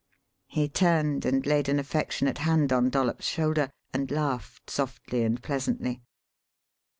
He turned and laid an affectionate hand on Dollops' shoulder and laughed softly and pleasantly.